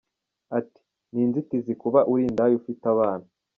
Ati “Ni inzitizi kuba uri indaya ufite abana.